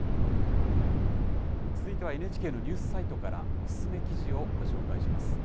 続いてはＮＨＫのニュースサイトからおすすめ記事をご紹介します。